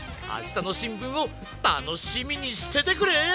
あしたのしんぶんをたのしみにしててくれ！